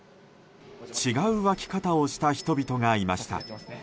違う沸き方をした人々がいました。